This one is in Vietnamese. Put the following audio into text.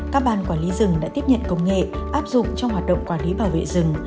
các ban quản lý rừng đã tiếp nhận công nghệ áp dụng trong hoạt động quản lý bảo vệ rừng